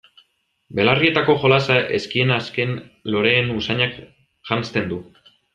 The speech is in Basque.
Belarrietako jolasa ezkien azken loreen usainak janzten du.